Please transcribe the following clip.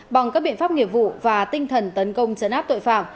bằng các biện pháp nghiệp vụ và tinh thần tấn công chấn áp tội phạm